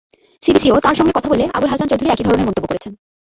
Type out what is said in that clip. সিবিসিও তাঁর সঙ্গে কথা বললে আবুল হাসান চৌধুরী একই ধরনের মন্তব্য করেছেন।